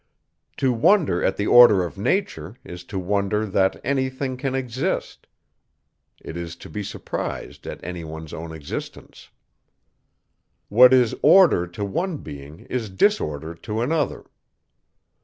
To wonder at the order of nature, is to wonder that any thing can exist; it is to be surprised at any one's own existence. What is order to one being, is disorder to another.